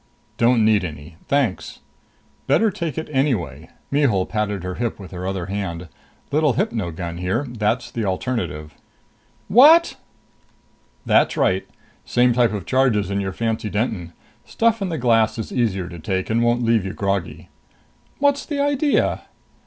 "Don't need any. Thanks." "Better take it anyway." Mihul patted her hip with her other hand. "Little hypo gun here. That's the alternative." "What!" "That's right. Same type of charge as in your fancy Denton. Stuff in the glass is easier to take and won't leave you groggy." "What's the idea?"